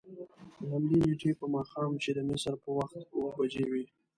دهمدې نېټې په ماښام چې د مصر په وخت اوه بجې وې.